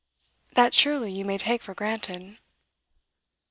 'That surely you may take for granted.